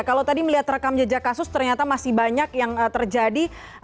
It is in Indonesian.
kalau tadi melihat rekam jejak kasus ternyata masih banyak yang terjadi